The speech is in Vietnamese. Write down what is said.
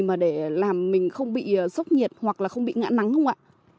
mà để làm mình không bị sốc nhiệt hoặc là không bị ngã nắng không ạ